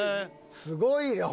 すごい！